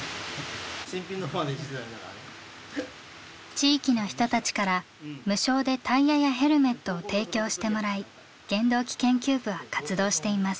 地域の人たちから無償でタイヤやヘルメットを提供してもらい原動機研究部は活動しています。